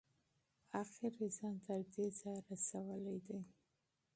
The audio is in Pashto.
اخیر یې ځان تر دې ځایه رسولی دی.